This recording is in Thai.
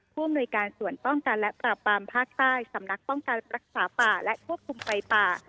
ผู้อำนวยการส่วนป้องกันและปราบปรามภาคใต้สำนักป้องกันรักษาป่าและควบคุมไฟป่า